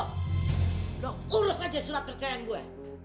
loh urus aja surat percayaan gue